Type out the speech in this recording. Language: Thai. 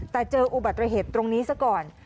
แต่เจออุบัติเหตุตรงนี้ซะก่อน